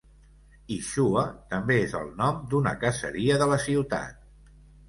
Ischua també és el nom d'una caseria de la ciutat.